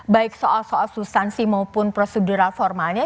baik soal soal substansi maupun prosedural formalnya